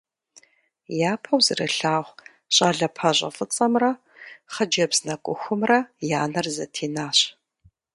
Япэу зэрылъагъу щӏалэ пащӏэфӏыцӏэмрэ хъыджэбз нэкӏухумрэ я нэр зэтенащ.